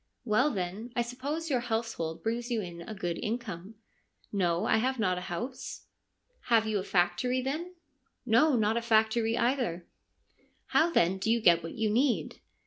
' Well, then, I suppose your household brings you in a good income.' ' No, I have not a house.' 1 Have you a factory, then ?'' No, not a factory either.' ' How then do you get what you need